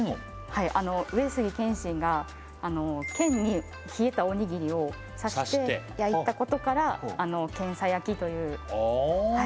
はい上杉謙信が剣に冷えたおにぎりを刺して焼いたことからけんさ焼きというあ